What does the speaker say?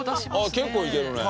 結構いけるね。